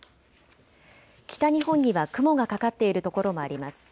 北日本には雲がかかっている所もあります。